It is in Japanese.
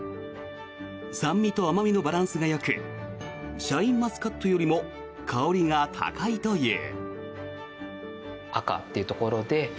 酸味と甘味のバランスがよくシャインマスカットよりも香りが高いという。